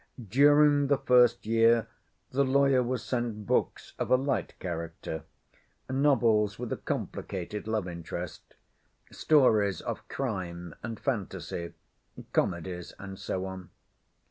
During the first year the lawyer was sent books of a light character; novels with a complicated love interest, stories of crime and fantasy, comedies, and so on.